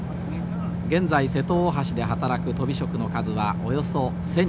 現在瀬戸大橋で働くとび職の数はおよそ１，０００人。